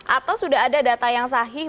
atau sudah ada data yang sahih